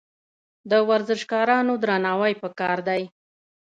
د ورزشکارانو درناوی پکار دی.